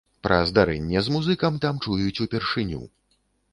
Пра здарэнне з музыкам там чуюць упершыню.